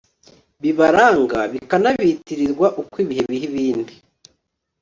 bibaranga bikanabitirirwa uko ibihe biha ibindi